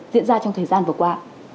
diễn ra trong thời gian vừa qua